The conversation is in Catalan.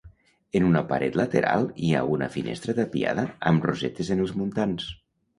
En una paret lateral hi ha una finestra tapiada amb rosetes en els muntants.